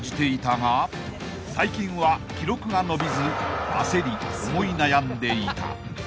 ［最近は記録が伸びず焦り思い悩んでいた］